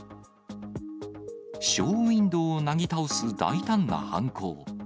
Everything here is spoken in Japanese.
ショーウインドーをなぎ倒す大胆な犯行。